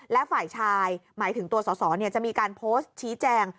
และฝ่ายชายหมายถึงตัวสอสอจะมีการโพสต์ชี้แจง